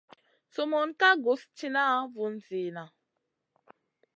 Sumun ka guss tìna vun zina.